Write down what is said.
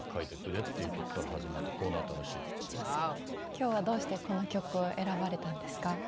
今日はどうしてこの曲を選ばれたんですか？